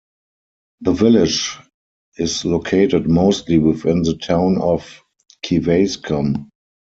The village is located mostly within the Town of Kewaskum.